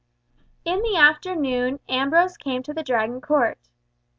In the afternoon, Ambrose came to the Dragon court.